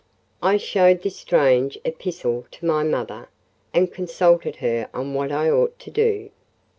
I showed this strange epistle to my mother, and consulted her on what I ought to do.